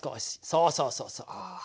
そうそうそうそう。